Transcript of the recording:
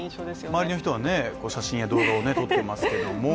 周りの人は写真や動画を撮ってますけれども。